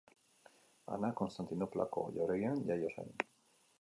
Ana Konstantinoplako jauregian jaio zen.